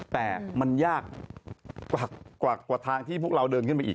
แต่มันยากกว่าทางที่พวกเราเดินขึ้นไปอีก